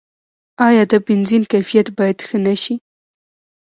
آیا د بنزین کیفیت باید ښه نشي؟